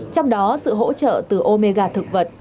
trong đó sự hỗ trợ từ omega thực vật